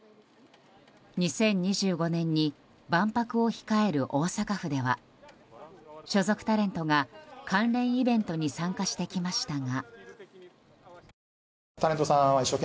２０２５年に万博を控える大阪府では所属タレントが関連イベントに参加してきましたが。